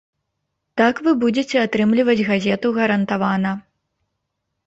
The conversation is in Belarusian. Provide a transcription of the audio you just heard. Так вы будзеце атрымліваць газету гарантавана.